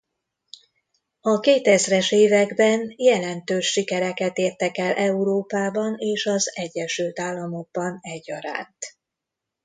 A kétezres években jelentős sikereket értek el Európában és az Egyesült Államokban egyaránt.